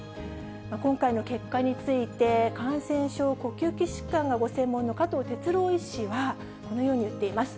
今回の結果について、感染症呼吸器疾患がご専門の加藤哲朗医師は、このように言っています。